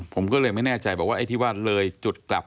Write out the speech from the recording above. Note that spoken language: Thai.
ผมก็เลยไม่แน่ใจบอกว่าไอ้ที่ว่าเลยจุดกลับ